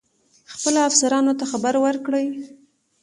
خپلو افسرانو ته خبر ورکړی.